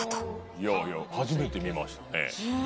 いやいや初めて見ましたね。